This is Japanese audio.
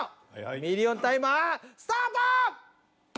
ミリオンタイマースタート！